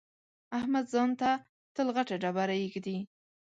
احمد ځان ته تل غټه ډبره اېږدي.